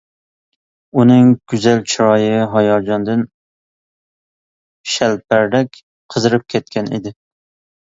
ئۇنىڭ گۈزەل چىرايى ھاياجاندىن شەلپەردەك قىزىرىپ كەتكەن ئىدى.